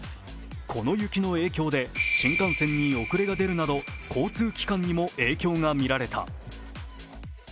この雪の影響で新幹線に遅れが出るなど交通機関にも影響がみられた。